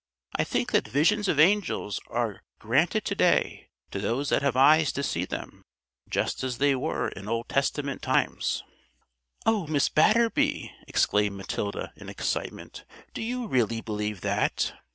"I think that visions of angels are granted to day to those that have eyes to see them, just as they were in Old Testament times." "Oh! Mrs. Batterby," exclaimed Matilda in excitement, "do you really believe that?"